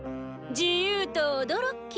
「自由と驚き」。